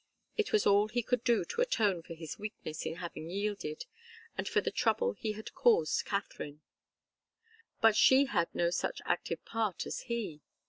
It was all he could do to atone for his weakness in having yielded, and for the trouble he had caused Katharine. But she had no such active part as he.